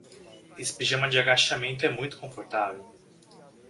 Este pijama de agachamento é muito confortável.